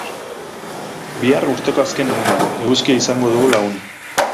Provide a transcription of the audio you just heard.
Bihar, urteko azken eguna, eguzkia izango dugu lagun.